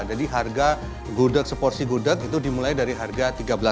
jadi harga gudeg seporsi gudeg itu dimulai dari harga tiga belas